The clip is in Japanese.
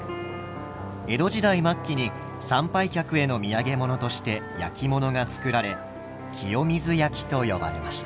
江戸時代末期に参拝客への土産物として焼き物が作られ清水焼と呼ばれました。